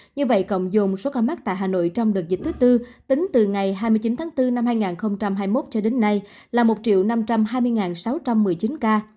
như vậy cộng dồn số ca mắc tại hà nội trong đợt dịch thứ tư tính từ ngày hai mươi chín tháng bốn năm hai nghìn hai mươi một cho đến nay là một năm trăm hai mươi sáu trăm một mươi chín ca